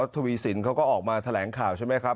ทวีสินเขาก็ออกมาแถลงข่าวใช่ไหมครับ